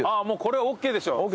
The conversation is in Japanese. もうこれはＯＫでしょ。